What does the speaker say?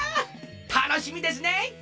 たのしみですね！